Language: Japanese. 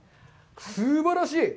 すばらしい！